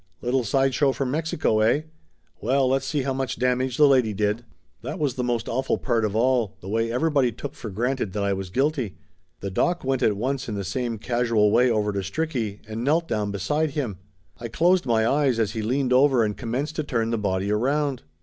"Little side show from Mexico, eh ? Well, let's see how much damage the lady did !" That was the most awful part of all, the way every body took for granted that I was guilty. The doc went at once in the same casual way over to Stricky, and knelt down beside him. I closed my eyes as he leaned over and commenced to turn the body around.